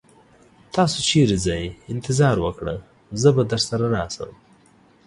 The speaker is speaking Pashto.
تاسو چیرته ځئ؟ انتظار وکړه، زه به درسره راشم.